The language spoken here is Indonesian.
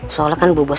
soalnya kan bu bos